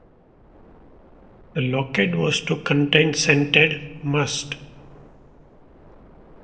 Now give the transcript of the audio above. The locket was to contain scented "must".